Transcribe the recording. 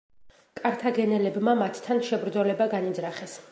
კართაგენელებმა მათთან შებრძოლება განიძრახეს.